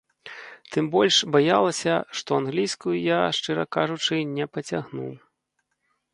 Тым больш, баялася, што англійскую я, шчыра кажучы, не пацягну.